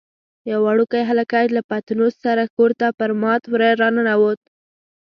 یو وړوکی هلکی له پتنوس سره کور ته پر مات وره راننوت.